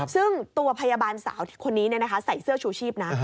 ซึ่งตัวพยาบาลสาวคนนี้ใส่เสื้อชูชีพนะ